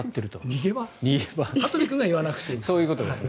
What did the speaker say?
羽鳥君が言わなくていい。